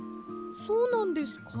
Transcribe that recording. そうなんですか？